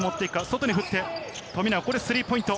外に振って、富永スリーポイント。